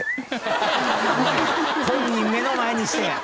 本人目の前にして。